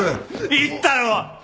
言ったろ！